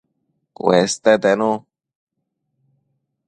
Cueste tenu